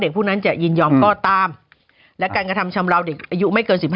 ผู้นั้นจะยินยอมก็ตามและการกระทำชำราวเด็กอายุไม่เกิน๑๕